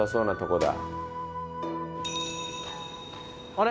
あれ？